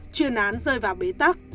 chuyên án rơi vào bế tắc